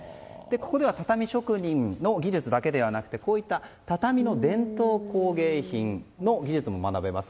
ここでは畳職人の技術だけではなくて畳の伝統工芸品の技術も学べます。